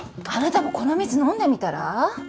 あなたもこの水飲んでみたら？